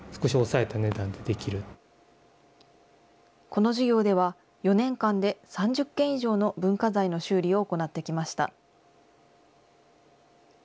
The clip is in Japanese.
この授業では、４年間で３０件以上の文化財の修理を行ってきました。